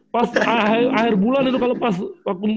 pas akhir bulan itu